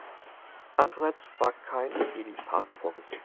Andererseits war kein Helipad vorgesehen.